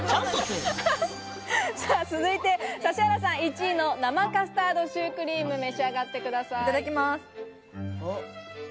続いて指原さん、１位の生カスタードシュークリーム、召し上がってください。